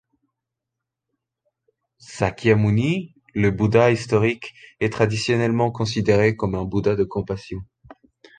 Śākyamuni, le buddha historique, est traditionnellement considéré comme un buddha de compassion.